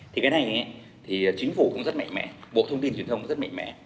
thì cái này thì chính phủ cũng rất mạnh mẽ bộ thông tin truyền thông rất mạnh mẽ